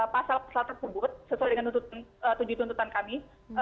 pasal pasal tersebut sesuai dengan tujuh tuntutan kami